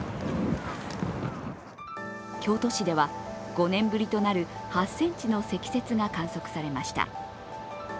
京都市では５年ぶりとなる８ｃｍの積雪が確認されました。